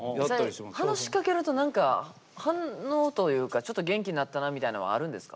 話しかけると何か反応というかちょっと元気なったなみたいのはあるんですか？